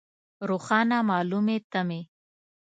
روښانه مالومې تمې.